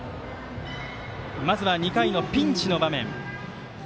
まずは２回のピンチの場面。